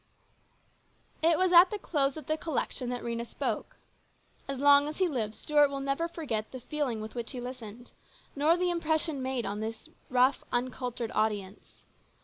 It was at the close of the collection that Rhena spoke. As long as he lives Stuart will never forget the feeling with which he listened, nor the impression made upon the rough, uncultured audience.